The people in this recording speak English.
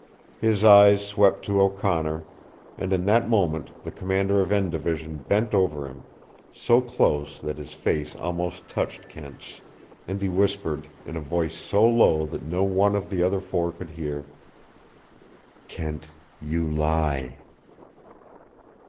His eyes swept to O'Connor, and in that moment the commander of N Division bent over him, so close that his face almost touched Kent's, and he whispered, in a voice so low that no one of the other four could hear, "KENT YOU LIE!"